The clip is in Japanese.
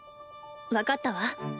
分かったわ。